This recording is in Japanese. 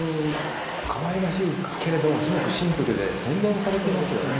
かわいらしいけれどもすごくシンプルで洗練されてますよね。